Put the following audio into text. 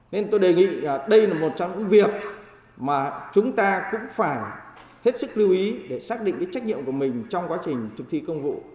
nên tôi đề nghị đây là một trong những việc mà chúng ta cũng phải hết sức lưu ý để xác định cái trách nhiệm của mình trong quá trình thực thi công vụ